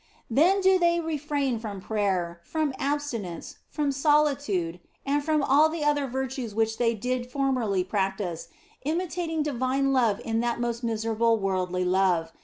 Then do they refrain from prayer, from abstinence, from solitude, and from all the other virtues which they did formerly practice, imitating divine love in this most miserable worldly love.